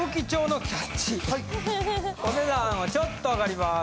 お値段はちょっと上がります。